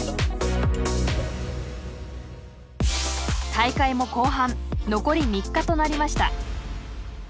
大会も後半残り３日となりました。